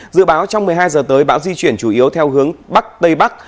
dự báo trong một mươi hai giờ tới bão di chuyển chủ yếu theo hướng bắc tây bắc